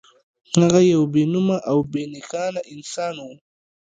هغه يو بې نومه او بې نښانه انسان و.